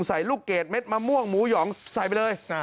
ใส่ลูกเกรดเม็ดมะม่วงหมูหยองใส่ไปเลย